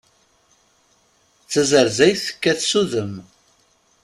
D tazerzayt tekkat s udem.